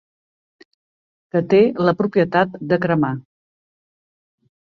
Que té la propietat de cremar.